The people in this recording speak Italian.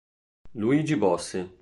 Luigi Bossi